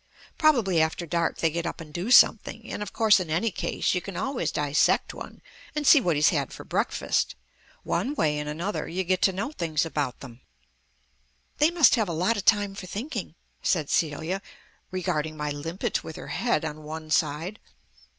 Probably after dark they get up and do something. And of course, in any case, you can always dissect one and see what he's had for breakfast. One way and another you get to know things about them." "They must have a lot of time for thinking," said Celia, regarding my limpet with her head on one side.